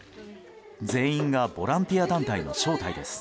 全員がボランティア団体の招待です。